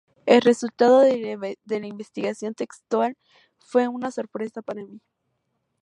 El resultado de la investigación textual fue una sorpresa para mí.